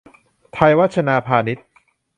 ไทยวัฒนาพานิช